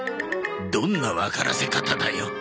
どんなわからせ方だよ。